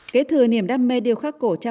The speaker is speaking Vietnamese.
kế thừa niềm đam mê điều khác của đá sa thạch